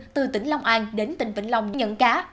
từ tỉnh long an đến tỉnh vĩnh long nhận cá